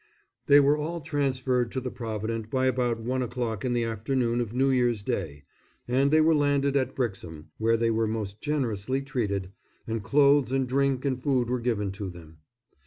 They were all transferred to the Provident by about one o'clock in the afternoon of New Year's Day, and they were landed at Brixham, where they were most generously treated, and clothes and drink and food were given to them.